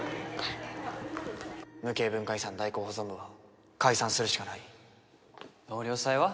無形文化遺産代行保存部は解散するしかな納涼祭は？